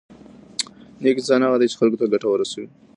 نېک انسان هغه دی چې خلکو ته ګټه رسوي.